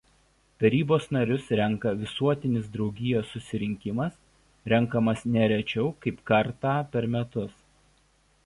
Tarybos narius renka "visuotinis draugijos susirinkimas" rengiamas ne rečiau kaip kartą per metus.